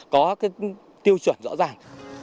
có cái tiêu chuẩn rõ ràng